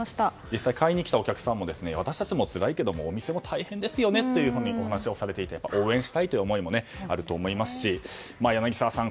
実際買いに来たお客さんも私たちつらいけどもお店も大変ですよねとお話をされていて応援したいという思いもあると思いますし、柳澤さん